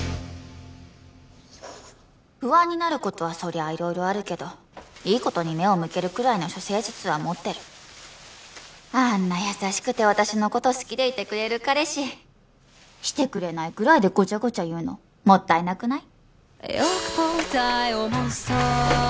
不安になることはそりゃ色々あるけどいいことに目を向けるくらいの処世術は持ってるあんな優しくて私のこと好きでいてくれる彼氏シてくれないくらいでごちゃごちゃ言うのもったいなくない？